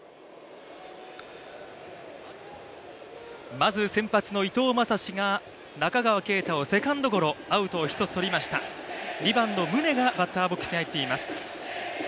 まず先発の伊藤将司が中川圭太をセカンドゴロアウトを１つ取りました、２番の宗がバッターボックスに入っています。